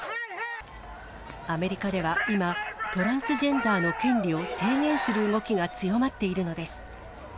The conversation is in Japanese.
アメリカでは今、トランスジェンダーの権利を制限する動きが強まっているのです。